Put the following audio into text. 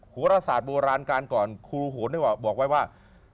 โหรศาสตร์โบราณการก่อนครูโหนนี่บอกไว้ว่า